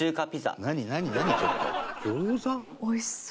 おいしそう。